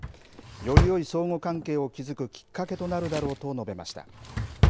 よりよい相互関係を築くきっかけとなるだろうと述べました。